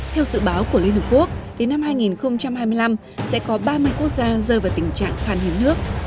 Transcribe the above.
theo dự báo của liên hợp quốc đến năm hai nghìn hai mươi năm sẽ có ba mươi quốc gia rơi vào tình trạng khan hiếm nước